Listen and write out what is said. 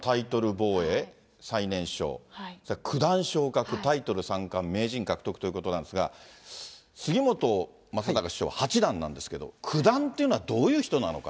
防衛、最年少、それから九段昇格、タイトル三冠、名人獲得ということなんですが、杉本昌隆師匠は八段なんですけど、九段というのはどういう人なのか。